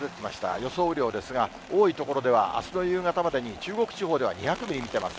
予想雨量ですが、多い所では、あすの夕方までに中国地方では２００ミリ見てます。